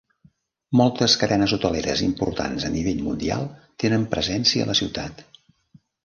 Moltes cadenes hoteleres importants a nivell mundial tenen presència a la ciutat.